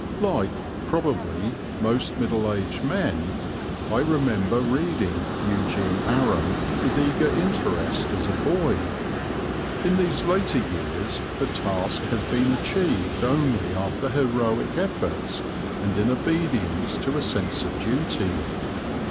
Like, probably, most middle aged men, I remember reading Eugene Aram with eager interest as a boy; in these later years the task has been achieved only after heroic efforts and in obedience to a sense of duty.